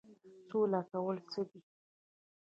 سوله کول څه دي؟